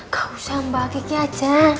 gak usah mbak kiki aja